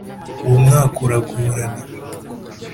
uwo mwaka uragorana.